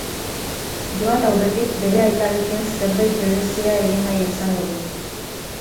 Joan aurretik, bere aitarekin zerbait berezia egin nahi izango du.